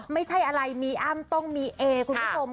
ไม่ใช่อะไรมีอ้ำต้องมีเอคุณผู้ชม